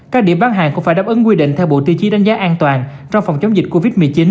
các điểm bán hàng cũng phải đáp ứng quy định theo bộ tiêu chí đánh giá an toàn trong phòng chống dịch covid một mươi chín